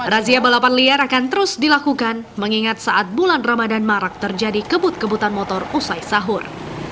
razia balapan liar akan terus dilakukan mengingat saat bulan ramadan marak terjadi kebut kebutan motor usai sahur